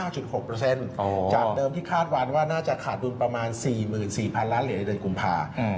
จากเดิมที่คาดวันว่าน่าจะขาดดุลประมาณ๔๔๐๐ล้านเหรียญในเดือนกุมภา